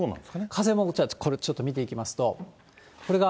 風もこれ、ちょっと見ていきますと。